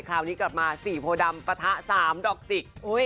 คราวนี้กลับมา๔โพดำปะทะ๓ดอกจิก